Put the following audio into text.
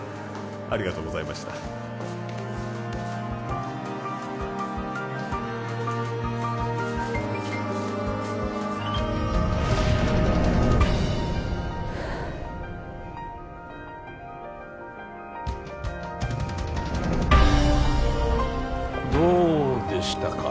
ありがとうございましたどうでしたか？